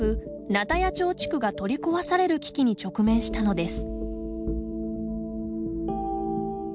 鉈屋町地区が取り壊される危機に直面したのです。